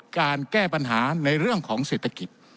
การแก้ปัญหาในเรื่องของเศรษฐกิจ